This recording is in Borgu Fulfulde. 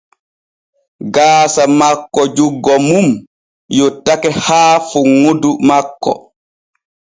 Gaasa makko juggo mum yottake haa funŋudu makko.